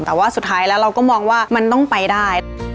แต่ว่าสุดท้ายแล้วเราก็มองว่ามันต้องไปได้